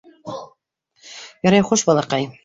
Ярай, хуш, балаҡайым.